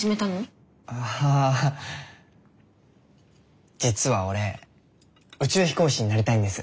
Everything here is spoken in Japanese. はぁ実は俺宇宙飛行士になりたいんです。